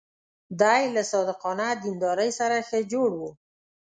دی له صادقانه دیندارۍ سره ښه جوړ و.